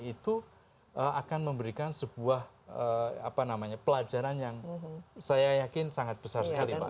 itu akan memberikan sebuah pelajaran yang saya yakin sangat besar sekali pak